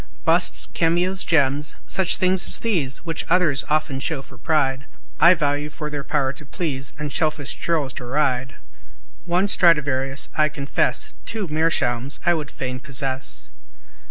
Busts, cameos, gems, such things as these, Which others often show for pride, I value for their power to please, And selfish churls deride; One Stradivarius, I confess, Two Meerschaums, I would fain possess.